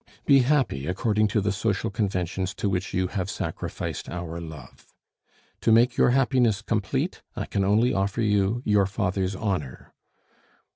Be happy, according to the social conventions to which you have sacrificed our love. To make your happiness complete I can only offer you your father's honor.